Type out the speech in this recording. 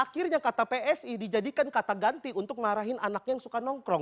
akhirnya kata psi dijadikan kata ganti untuk ngarahin anaknya yang suka nongkrong